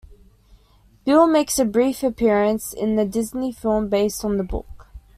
Bill makes a brief appearance in the Disney film based on the book.